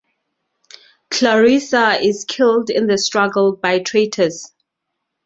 Clarissa is killed in the struggle by traitors.